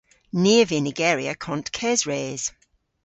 Ni a vynn ygeri akont kesres.